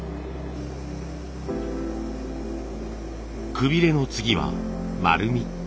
くびれの次は丸み。